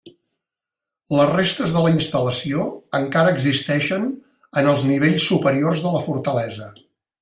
Les restes de la instal·lació encara existeixen en els nivells superiors de la fortalesa.